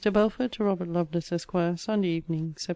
BELFORD, TO ROBERT LOVELACE, ESQ. SUNDAY EVENING, SEPT.